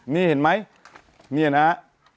นี่เห็นไหมนี่นะฮะ